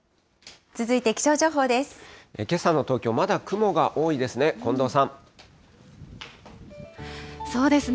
けさの東京、まだ雲が多いでそうですね。